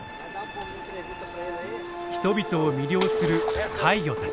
人々を魅了する怪魚たち。